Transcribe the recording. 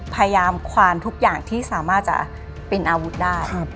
พยายามควานทุกอย่างที่สามารถจะเป็นอาวุธได้